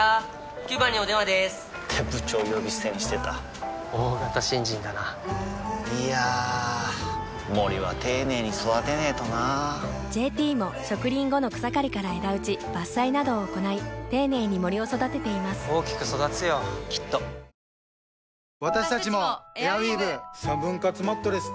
９番にお電話でーす！って部長呼び捨てにしてた大型新人だないやー森は丁寧に育てないとな「ＪＴ」も植林後の草刈りから枝打ち伐採などを行い丁寧に森を育てています大きく育つよきっとうまいやつスープワイルド！